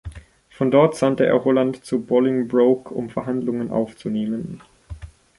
Von dort sandte er Holland zu Bolingbroke, um Verhandlungen aufzunehmen.